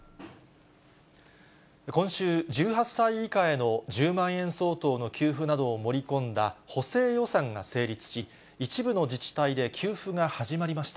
今週、１８歳以下への１０万円相当の給付などを盛り込んだ補正予算が成立し、一部の自治体で給付が始まりました。